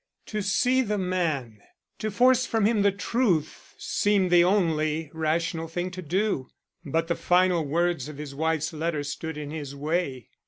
To see the man to force from him the truth, seemed the only rational thing to do. But the final words of his wife's letter stood in his way.